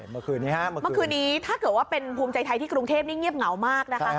เมื่อคืนนี้เมื่อคืนนี้ถ้าเกิดว่าเป็นภูมิใจไทยที่กรุงเทพนี่เงียบเหงามากนะคะ